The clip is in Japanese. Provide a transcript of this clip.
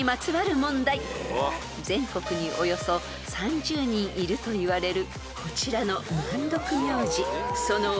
［全国におよそ３０人いるといわれる］